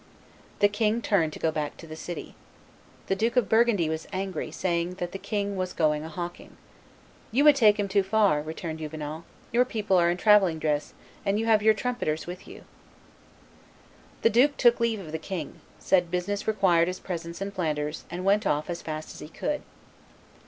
The king turned to go back to the city. The Duke of Burgundy was angry, saying that the king was going a hawking. "You would take him too far," rejoined Juvenal; "your people are in travelling dress, and you have your trumpeters with you." [Illustration: John the Fearless 51] The duke took leave of the king, said business required his presence in Flanders, and went off as fast as he could.